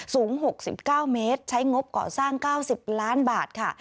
สูง๖๙เมตรใช้งบก่อสร้าง๙๐ล้านบาทค่ะ